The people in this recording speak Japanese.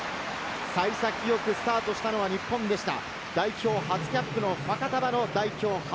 幸先よくスタートしたのは日本でした。